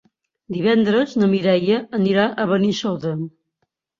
Divendres na Mireia anirà a Benissoda.